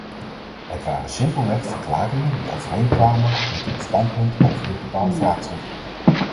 Het waren simpelweg verklaringen die overeenkwamen met ons standpunt over dit bepaalde vraagstuk.